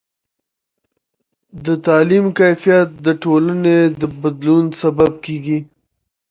د تعلیم کیفیت د ټولنې د بدلون سبب کېږي.